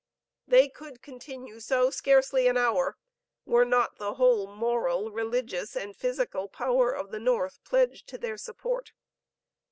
They could continue so, scarcely an hour, were not the whole moral, religious and physical power of the North pledged to their support.